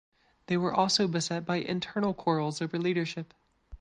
They were also beset by internal quarrels over leadership.